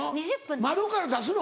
窓から出すの？